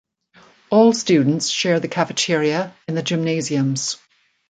All students share the cafeteria and the gymnasiums.